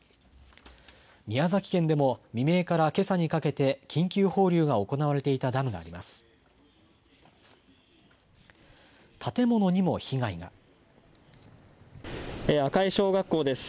宮崎県でも未明からけさにかけて緊急放流が行われていたダムがあります。